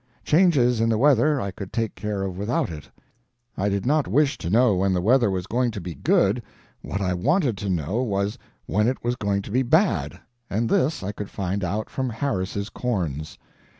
Changes in the weather I could take care of without it; I did not wish to know when the weather was going to be good, what I wanted to know was when it was going to be bad, and this I could find out from Harris's corns.